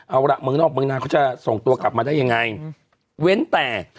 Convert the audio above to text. เอาล่ะเมืองนอกเมืองนาเขาจะส่งตัวกลับมาได้ยังไงเว้นแต่